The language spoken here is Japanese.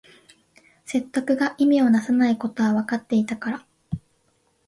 説得が意味をなさないことはわかっていたから